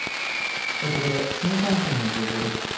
ここで新幹線の情報です。